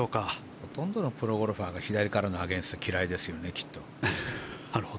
ほとんどのプロゴルファーが左からのアゲンスト嫌いですよね。